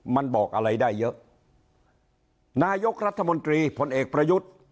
มันบอกอะไรได้เยอะนายกรัฐมนตรีผลเอกประยุทธ์